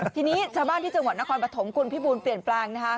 ทีนี้ชาวบ้านที่จังหวัดนครปฐมคุณพี่บูลเปลี่ยนแปลงนะคะ